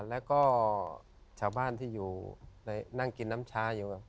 แล้วก็ชาวบ้านที่อยู่นั่งกินน้ำชาอยู่